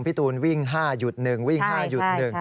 พี่ตูนวิ่ง๕หยุด๑วิ่ง๕หยุด๑